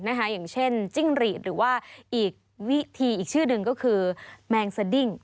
อย่างเช่นจิ้งหรีดหรือว่าอีกวิธีอีกชื่อหนึ่งก็คือแมงสดิ้ง